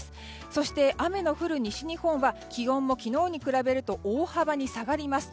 そして、雨の降る西日本は気温も昨日に比べると大幅に下がります。